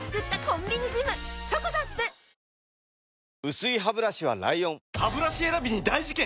薄いハブラシは ＬＩＯＮハブラシ選びに大事件！